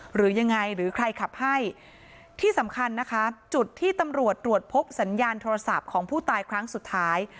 หรือยังไงหรือใครขับให้ที่สำคัญนะคะจุดที่ตำรวจตรวจพบสัญญาณโทรศัพท์ของผู้ตายครั้งสุดท้าย